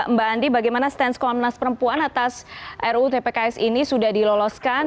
mbak andi bagaimana stance komnas perempuan atas ruu tpks ini sudah diloloskan